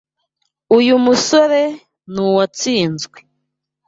Uyu musore nuwatsinzwe.